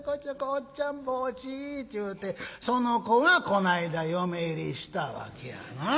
『おっちゃん帽子』て言うてその子がこないだ嫁入りしたわけやな。